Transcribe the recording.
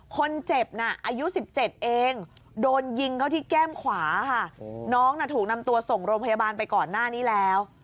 คนเจ็บน่ะอายุ๑๗เองโดนยิงเข้าที่แก้มขวาค่ะน้องน่ะถูกนำตัวส่งโรงพยาบาลไปก่อนหน้านี้แล้ว